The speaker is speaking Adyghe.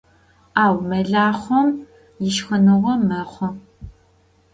Ау мэлахъом ишхыныгъо мэхъу.